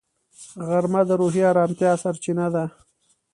غرمه د روحي ارامتیا سرچینه ده